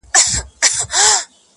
ها دی سلام يې وکړ.